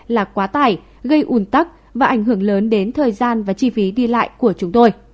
là quá tải gây ủn tắc và ảnh hưởng lớn đến thời gian và chi phí đi lại của chúng tôi